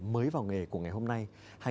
mới vào nghề của ngày hôm nay